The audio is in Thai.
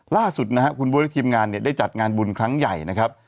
ล่าสุดนะฮะคุณบ๊วยและทีมงานได้จัดงานบุญครั้งใหญ่นะครับ